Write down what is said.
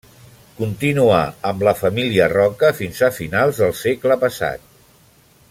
Continuà amb la família Roca fins a finals del segle passat.